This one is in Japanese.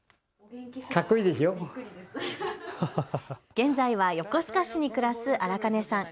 現在は横須賀市に暮らす荒金さん。